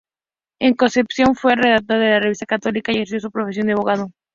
En Concepción fue redactor de la Revista Católica y ejerció su profesión de abogado.